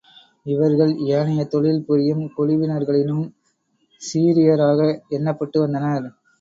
இவர்கள் ஏனைய தொழில் புரியும் குழுவினர்களினும், சீரியராக எண்ணப்பட்டு வந்தனர்.